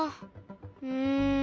うん。